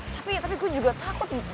tapi gue juga takut